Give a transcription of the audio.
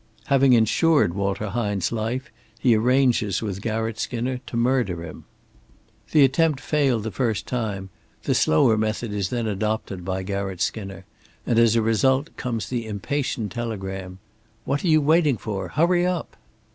Having insured Walter Hine's life, he arranges with Garratt Skinner to murder him. The attempt failed the first time, the slower method is then adopted by Garratt Skinner, and as a result comes the impatient telegram: 'What are you waiting for? Hurry up!'"